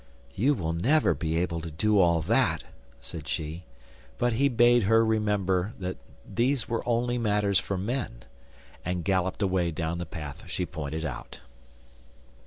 'You will never be able to do all that,' said she, but he bade her remembered that these were only matters for men, and galloped away down the path she pointed out.